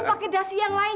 oh ibu pake dasi yang lain